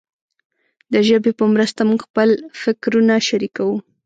د ژبې په مرسته موږ خپل فکرونه شریکوو.